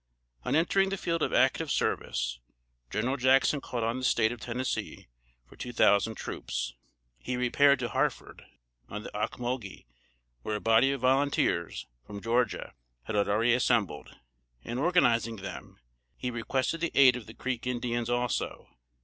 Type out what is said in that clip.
On entering the field of active service, General Jackson called on the State of Tennessee for two thousand troops. He repaired to Harford, on the Ockmulgee, where a body of volunteers, from Georgia, had already assembled, and organizing them, he requested the aid of the Creek Indians also.